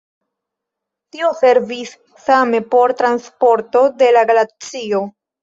Tio servis same por transporto de la glacio.